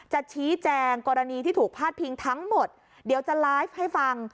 จะชี้แจงกรณีที่ถูกพาดพิงทั้งหมดเดี๋ยวจะไลฟ์ให้ฟัง